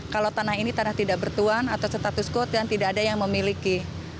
kalau tanah ini tanah tidak bertuan atau status quote dan tidak ada yang memiliki